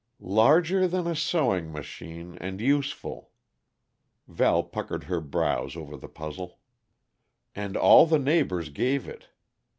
"Larger than a sewing machine, and useful." Val puckered her brows over the puzzle. "And all the neighbors gave it.